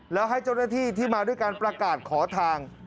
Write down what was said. แล้วให้เจ้าหน้าที่ที่มาด้วยการประกาศขอทาง